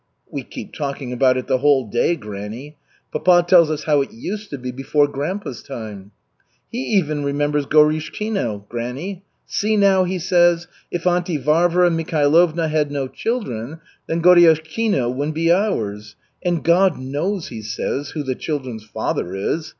"We keep talking about it the whole day, granny. Papa tells us how it used to be before grandpa's time. He even remembers Goriushkino, granny. 'See now,' he says, 'if Auntie Varvara Mikhailovna had no children, then Goriushkino would be ours. And God knows,' he says, 'who the children's father is.